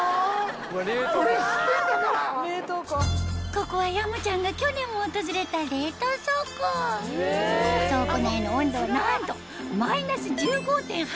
ここは山ちゃんが去年も訪れた倉庫内の温度はなんとマイナス１５．８